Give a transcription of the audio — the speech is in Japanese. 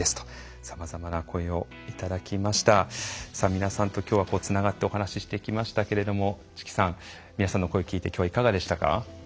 皆さんと今日はつながってお話ししていきましたけれどもチキさん皆さんの声を聞いて今日はいかがでしたか？